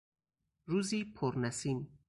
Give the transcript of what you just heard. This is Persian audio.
روزی پر نسیم